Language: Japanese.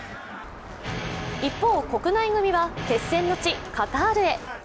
一方、国内組は決戦の地・カタールへ。